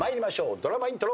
ドラマイントロ。